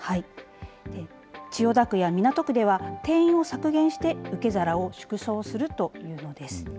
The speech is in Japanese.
千代田区や港区では、定員を削減して、受け皿を縮小するというものです。